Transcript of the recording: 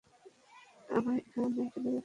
আমায় এখানে ফেলে রেখো না!